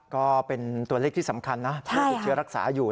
ก็เป็นตัวเลขที่สำคัญนะผู้ติดเชื้อรักษาอยู่